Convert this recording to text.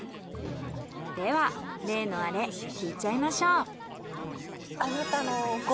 では例のアレ聞いちゃいましょう。